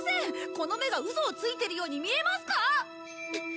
この目がウソをついてるように見えますか！？